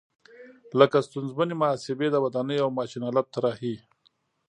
لکه ستونزمنې محاسبې، د ودانیو او ماشین آلاتو طراحي.